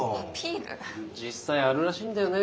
実際あるらしいんだよね